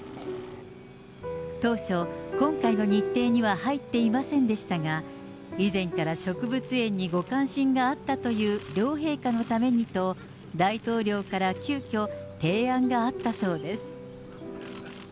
当初、今回の日程には入っていませんでしたが、以前から植物園にご関心があったという両陛下のためにと、大統領から急きょ、提案があったそうです。